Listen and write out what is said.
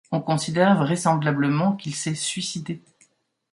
On considère vraisemblablement qu'il s'est suicidé.